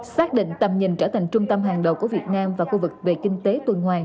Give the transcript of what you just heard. xác định tầm nhìn trở thành trung tâm hàng đầu của việt nam và khu vực về kinh tế tuần hoàng